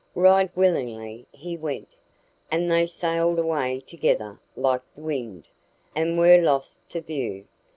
Right willingly he went, and they sailed away together like the wind, and were lost to view.